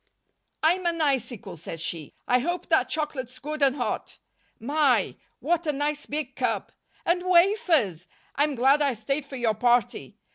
"I'm an icicle," said she. "I hope that chocolate's good and hot. My! What a nice big cup! And wafers! I'm glad I stayed for your party.